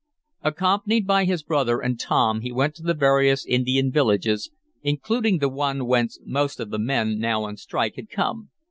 Accompanied by his brother and Tom he went to the various Indian villages, including the one whence most of the men now on strike had come.